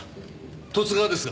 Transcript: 十津川ですが。